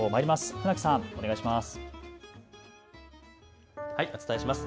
船木さん、お願いします。